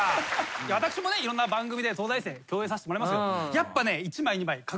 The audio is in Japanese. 私もねいろんな番組で東大生共演させてもらいますけどやっぱね。